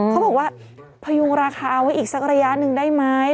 เขาบอกว่าพยุงราคาเอาไว้อีกสักระยะหนึ่งได้ไหม